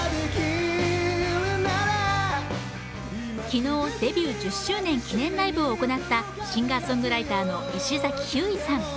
昨日、デビュー１０周年記念ライブを行ったシンガーソングライターの石崎ひゅーいさん。